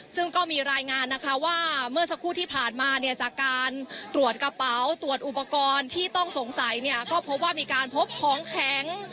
ซึ่งก็มีรายงานนะคะว่าเมื่อสักครู่ที่ผ่านมาเนี่ยจากการตรวจกระเป๋าตรวจอุปกรณ์ที่ต้องสงสัยเนี่ยก็พบว่ามีการพบของแข็ง